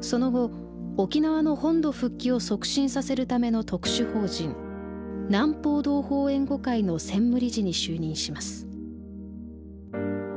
その後沖縄の本土復帰を促進させるための特殊法人南方同胞援護会の専務理事に就任します。